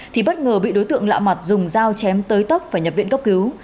thì bất ngờ bị đối tượng lạ mặt dùng dao chém tới tấp phải nhập viện cấp cứu